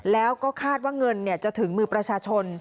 แล้วก็คาดว่าเงินจะถึงมือประชาชน